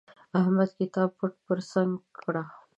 احمد کتاب پټ پر څنګ کړ.